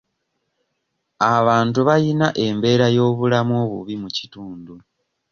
Abantu bayina embeera y'obulamu obubi mu kitundu.